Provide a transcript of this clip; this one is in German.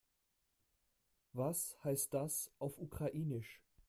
Was heißt das auf Ukrainisch?